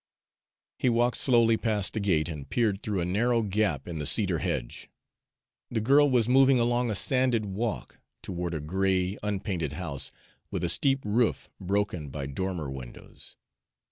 He walked slowly past the gate and peered through a narrow gap in the cedar hedge. The girl was moving along a sanded walk, toward a gray, unpainted house, with a steep roof, broken by dormer windows.